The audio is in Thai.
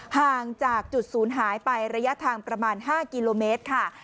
ห่างจากจุดศูนย์หายไประยะทางประมาณ๕กิโลเมตรค่ะ